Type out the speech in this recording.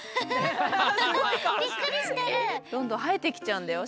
どんどんはえてきちゃうんだよ